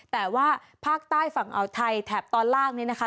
แต่ว่าภาคใต้ฝั่งอ่าวไทยแถบตอนล่างนี้นะคะ